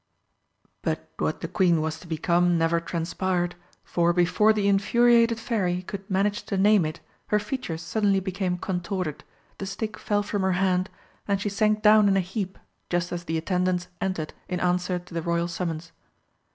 But what the Queen was to become never transpired, for before the infuriated Fairy could manage to name it her features suddenly became contorted, the stick fell from her hand, and she sank down in a heap just as the attendants entered in answer to the Royal summons.